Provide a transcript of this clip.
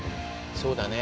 そうだね。